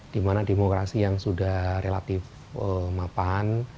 di mana demokrasi yang sudah relatif mapan